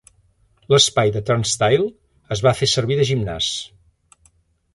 L'espai de Turn Style es va fer servir de gimnàs.